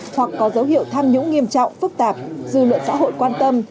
hoặc có dấu hiệu tham nhũng nghiêm trọng phức tạp dư luận xã hội quan tâm